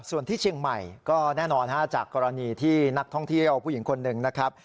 ส่วนที่เชียงใหม่ก็แน่นอนจากกรณีที่นักท่องเที่ยวผู้หญิงคนหนึ่งนะครับ